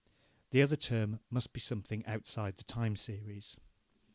The other term must be something outside the time series.